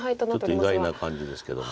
ちょっと意外な感じですけども。